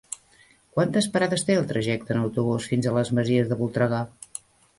Quantes parades té el trajecte en autobús fins a les Masies de Voltregà?